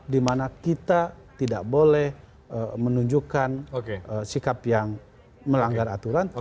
dimana kita tidak boleh menunjukkan sikap yang melanggar aturan